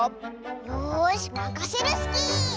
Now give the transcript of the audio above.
よしまかせるスキー！